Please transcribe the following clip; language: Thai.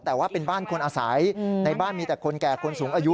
แต่ว่าเป็นบ้านคนอาศัยในบ้านมีแต่คนแก่คนสูงอายุ